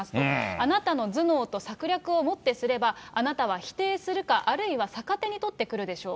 あなたの頭脳と策略をもってすれば、あなたは否定するか、あるいは逆手に取ってくるでしょう。